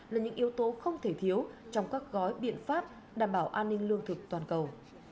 là những yếu tố không thể thiếu trong các gói biện pháp đảm bảo an ninh lương thực toàn cầu